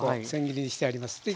千切りにしてあります。